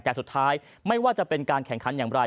แต่สุดท้ายไม่ว่าจะเป็นการแข่งขันอย่างไร